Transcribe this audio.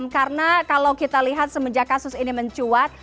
karena kalau kita lihat semenjak kasus ini mencuat